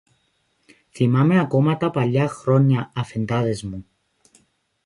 Θυμάστε ακόμα τα παλιά χρόνια, Αφεντάδες μου.